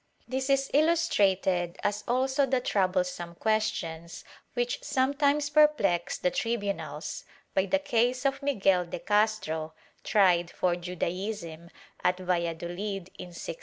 This is illustrated, as also the troublesome questions which sometimes perplexed the tribunals, by the case of Miguel de Castro, tried for Judaism, at ValladoUd, in 1644.